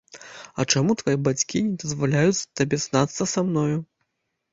А чаму твае бацькі не дазваляюць табе знацца са мною?